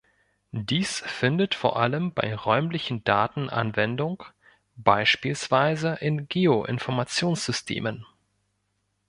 Dies findet vor allem bei räumlichen Daten Anwendung, beispielsweise in Geoinformationssystemen.